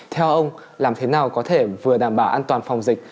theo ông làm thế nào có thể vừa đảm bảo an toàn phòng dịch